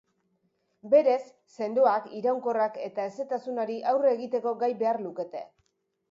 Berez, sendoak, iraunkorrak eta hezetasunari aurre egiteko gai behar lukete.